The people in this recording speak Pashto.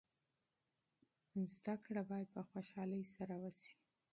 زده کړه باید په خوشحالۍ سره وسي.